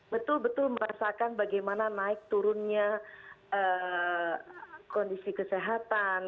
betul betul merasakan bagaimana naik turunnya kondisi kesehatan